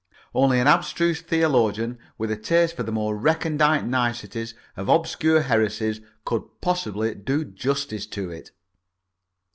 Only an abstruse theologian with a taste for the more recondite niceties of obscure heresies could possibly do justice to it.